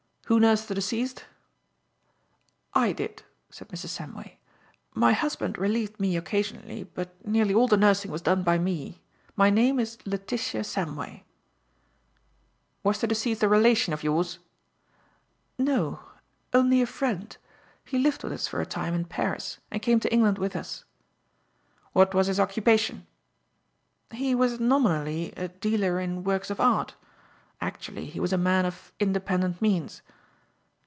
Who nursed the deceased?" "I did," said Mrs. Samway. "My husband relieved me occasionally, but nearly all the nursing was done by me. My name is Letitia Samway." "Was the deceased a relation of yours?" "No; only a friend. He lived with us for a time in Paris and came to England with us." "What was his occupation?" "He was nominally a dealer in works of art. Actually he was a man of independent means."